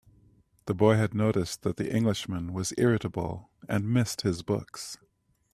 The boy had noticed that the Englishman was irritable, and missed his books.